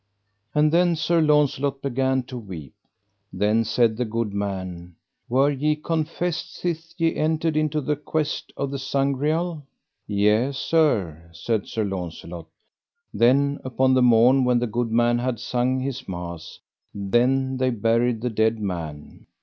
And then Sir Launcelot began to weep. Then said the good man: Were ye confessed sith ye entered into the quest of the Sangreal? Yea, sir, said Sir Launcelot. Then upon the morn when the good man had sung his mass, then they buried the dead man.